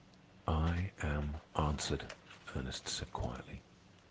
_" "I am answered," Ernest said quietly.